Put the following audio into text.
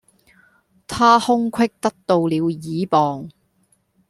她空隙得到了倚傍